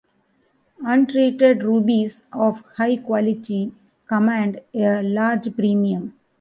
Untreated rubies of high quality command a large premium.